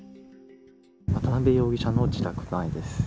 渡部容疑者の自宅前です。